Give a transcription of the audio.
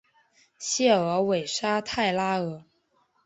谢尔韦沙泰拉尔。